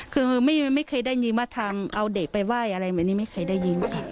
คือไม่เคยได้ยินว่าทำเอาเด็กไปไหว้อะไรแบบนี้ไม่เคยได้ยินค่ะ